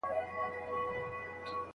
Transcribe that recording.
د موسم تودوخه پکې رول نه لري.